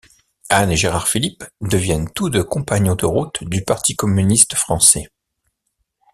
Anne et Gérard Philipe deviennent tous deux compagnons de route du Parti communiste français.